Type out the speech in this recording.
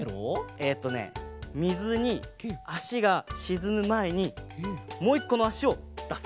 えっとねみずにあしがしずむまえにもういっこのあしをだす！